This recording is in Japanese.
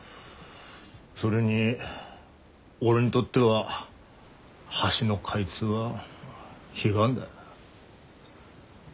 それに俺にとっては橋の開通は悲願だ。